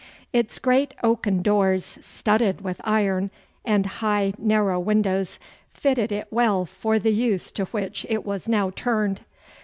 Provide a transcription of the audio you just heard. Its great oaken doors, studded with iron, and high narrow windows, fitted it well for the use to which it was now turned.